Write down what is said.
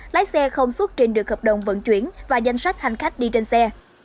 lái xe không xuất trình được hợp đồng vận chuyển và danh sách hành khách đi trên xe